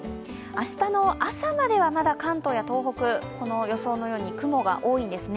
明日の朝まではまだ関東や東北、この予想のように雲が多いんですね。